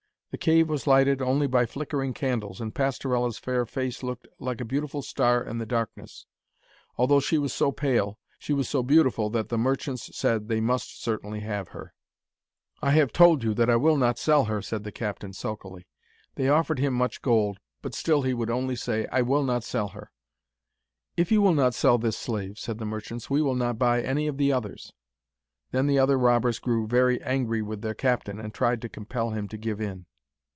The cave was lighted only by flickering candles, and Pastorella's fair face looked like a beautiful star in the darkness. Although she was so pale, she was so beautiful that the merchants said that they must certainly have her. 'I have told you I will not sell her,' said the captain sulkily. They offered him much gold, but still he would only say, 'I will not sell her.' 'If you will not sell this slave,' said the merchants, 'we will not buy any of the others.' Then the other robbers grew very angry with their captain, and tried to compel him to give in.